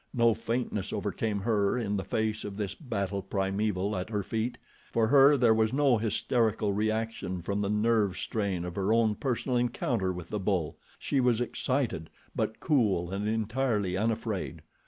No faintness overcame her in the face of this battle primeval at her feet. For her there was no hysterical reaction from the nerve strain of her own personal encounter with the bull. She was excited; but cool and entirely unafraid.